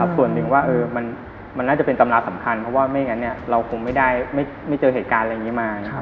ส่วนหนึ่งว่ามันน่าจะเป็นตำราสำคัญเพราะว่าไม่อย่างนั้นเราคงไม่ได้เจอเหตุการณ์อะไรอย่างนี้มา